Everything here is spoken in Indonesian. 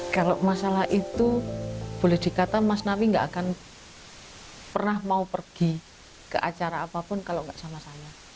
kalau masalah itu boleh dikata mas nabi gak akan pernah mau pergi ke acara apapun kalau nggak sama saya